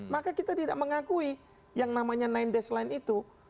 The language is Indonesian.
maka kita tidak mengakui yang namanya nine dash line itu